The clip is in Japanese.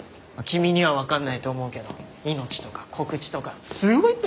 君にはわかんないと思うけど命とか告知とかすごいプレッシャーでさ。